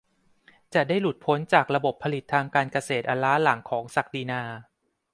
จะได้หลุดพ้นจากระบบผลิตทางการเกษตรอันล้าหลังของศักดินา